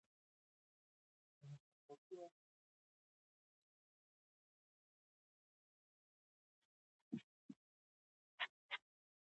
موږ ټول باید پهدې لاره کې مرسته وکړو.